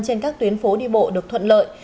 trên các tuyến phố đi bộ được thuận lợi